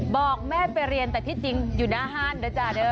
บอกแม่ไปเรียนแต่ที่จริงอยู่หน้าห้านนะจ๊ะเด้อ